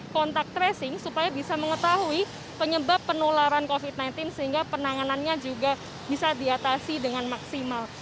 kontak tracing supaya bisa mengetahui penyebab penularan covid sembilan belas sehingga penanganannya juga bisa diatasi dengan maksimal